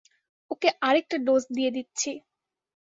ওকে আরেকটা ডোজ দিয়ে দিচ্ছি।